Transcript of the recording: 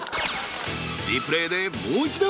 リプレーでもう一度。